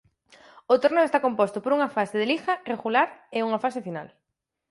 O torneo está composto por unha fase de liga regular e unha fase final.